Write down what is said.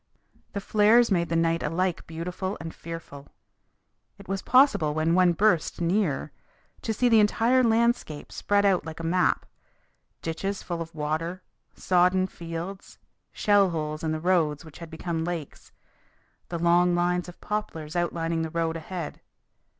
The flares made the night alike beautiful and fearful. It was possible when one burst near to see the entire landscape spread out like a map ditches full of water, sodden fields, shell holes in the roads which had become lakes, the long lines of poplars outlining the road ahead.